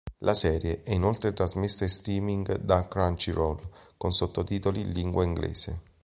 La serie è inoltre trasmessa in streaming da Crunchyroll con sottotitoli in lingua inglese.